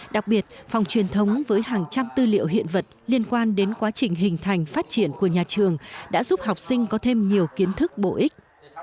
đặc biệt phòng truyền thống với hàng trăm tư liệu hiện vật liên quan đến quá trình hình thành phát triển của nhà trường đã giúp học sinh có thêm nhiều kiến thức bổ ích